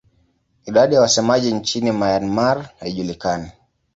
Idadi ya wasemaji nchini Myanmar haijulikani.